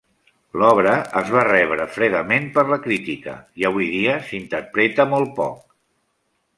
L'obra es va rebre fredament per la crítica i avui dia s'interpreta molt poc.